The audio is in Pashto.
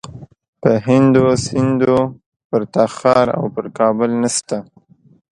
په هند و سند و پر تخار او پر کابل نسته.